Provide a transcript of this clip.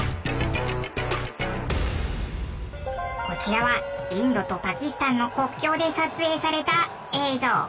こちらはインドとパキスタンの国境で撮影された映像。